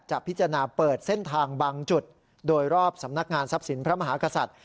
พิจารณาเปิดเส้นทางบางจุดโดยรอบสำนักงานทรัพย์สินพระมหากษัตริย์